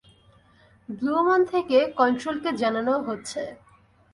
Blue one থেকে কন্ট্রোলকে জানানো হচ্ছে।